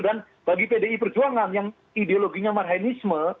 bagi pdi perjuangan yang ideologinya marhanisme